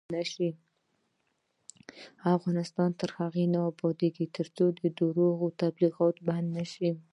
افغانستان تر هغو نه ابادیږي، ترڅو د درواغو تبلیغات بند نشي.